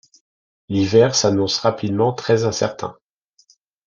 L'hiver s'annonce rapidement très incertain.